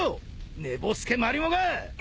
寝ぼすけマリモが！